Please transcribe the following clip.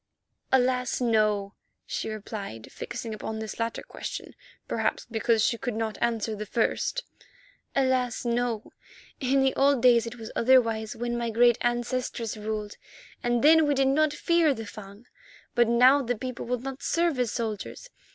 "Alas! no," she replied, fixing upon this latter question perhaps because she could not answer the first. "Alas! no. In the old days it was otherwise, when my great ancestresses ruled, and then we did not fear the Fung. But now the people will not serve as soldiers.